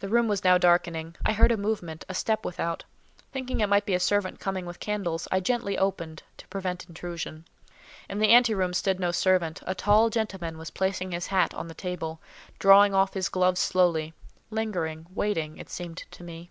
The room was now darkening. I heard a movement, a step without. Thinking it might be a servant coming with candles, I gently opened, to prevent intrusion. In the ante room stood no servant: a tall gentleman was placing his hat on the table, drawing off his gloves slowly—lingering, waiting, it seemed to me.